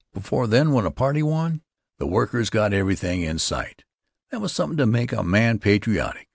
Before then when a party won, its workers got everything in sight. That was somethin' to make a man patriotic.